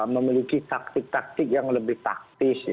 memiliki taktik taktik yang lebih taktis